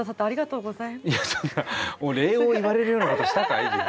ありがとうございます。